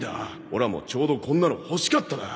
オラもちょうどこんなの欲しかっただ。